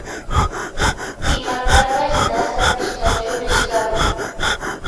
Imatapash na sakishkachu rishkami.